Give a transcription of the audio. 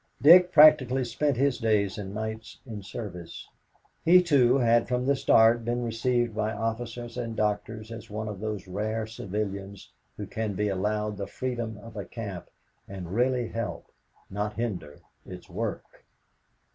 Dick practically spent his days and nights in service. He, too, had from the start been received by officers and doctors as one of those rare civilians who can be allowed the freedom of a camp and really help, not hinder, its work.